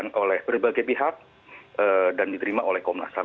yang oleh berbagai pihak dan diterima oleh komnas ham